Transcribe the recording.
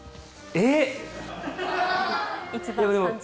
えっ。